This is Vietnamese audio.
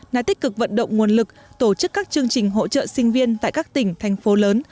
đã tích cực vận động nguồn lực tổ chức các chương trình hỗ trợ sinh viên tại các tỉnh thành phố lớn